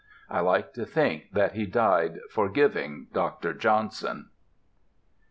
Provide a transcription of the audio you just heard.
I like to think that he died forgiving Dr. Johnson.